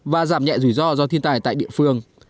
và giảm nhẹ rủi ro do thiên tài tại địa phương